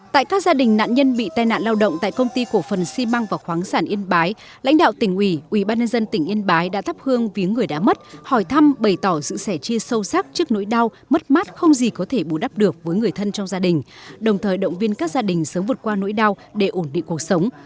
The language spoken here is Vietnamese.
tại các gia đình nạn nhân bị tai nạn lao động tại công ty cổ phần xi măng và khoáng sản yên bái lãnh đạo tỉnh ủy ubnd tỉnh yên bái đã thắp hương viếng người đã mất hỏi thăm bày tỏ sự sẻ chia sâu sắc trước nỗi đau mất mát không gì có thể bù đắp được với người thân trong gia đình đồng thời động viên các gia đình sớm vượt qua nỗi đau để ổn định cuộc sống